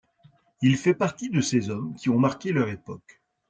Il fait partie de ces hommes qui ont marqué leur époque.